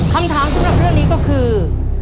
คำถามสำหรับเรื่องนี้ก็คือ